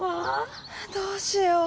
どうしよう。